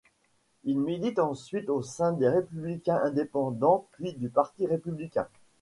Il milite ensuite au sein des Républicains indépendants puis du Parti républicain.